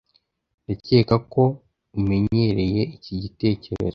ndakeka ko umenyereye iki gitekerezo